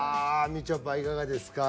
みちょぱいかがですか？